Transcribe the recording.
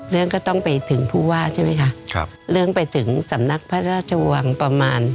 เรื่องก็ต้องไปถึงผู้ว่าใช่ไหมคะครับเรื่องไปถึงสำนักพระราชวังประมาณ